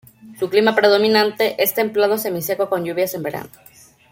Su clima predominante es templado semiseco con lluvias en verano.